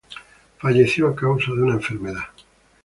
Falleció a causa de una enfermedad.